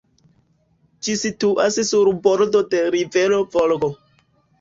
Ĝi situas sur bordo de rivero Volgo.